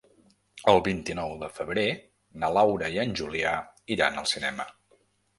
El vint-i-nou de febrer na Laura i en Julià iran al cinema.